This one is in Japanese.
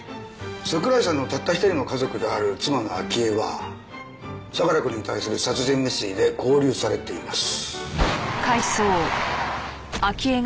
桜井さんのたった１人の家族である妻の秋絵は相良くんに対する殺人未遂で勾留されています。